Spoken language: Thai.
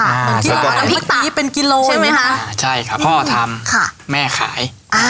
อ่าใช่น้ำพริกตัดนี้เป็นกิโลใช่ไหมฮะใช่ค่ะพ่อทำค่ะแม่ขายอ๋อ